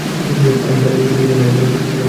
আমি ভাল আছি, তুমি কেমন?